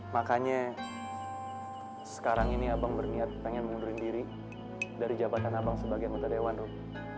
makanya sekarang ini abang berniat pengen mengundurkan diri dari jabatan abang sebagai anggota dewan room